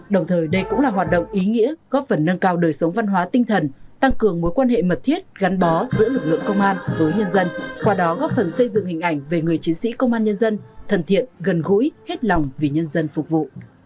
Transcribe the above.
đồng thời đây cũng là hoạt động ý nghĩa góp phần nâng cao đời sống văn hóa tinh thần tăng cường mối quan hệ mật thiết gắn bó giữa lực lượng công an với nhân dân qua đó góp phần xây dựng hình ảnh về người chiến sĩ công an nhân dân thân thiện gần gũi hết lòng vì nhân dân phục vụ